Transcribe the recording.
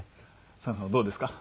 佐賀さんはどうですか？